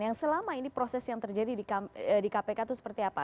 yang selama ini proses yang terjadi di kpk itu seperti apa